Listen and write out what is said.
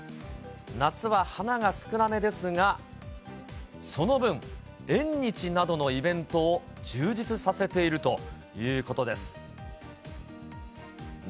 夏は花が少なめですが、その分、縁日などのイベントを充実させているということです。